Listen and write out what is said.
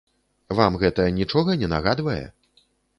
Вам гэта нічога не нагадвае?